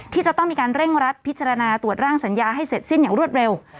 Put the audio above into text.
ที่จะต้องมีการเร่งรัดพิจารณาตรวจร่างสัญญาให้เสร็จสิ้นอย่างรวดเร็ว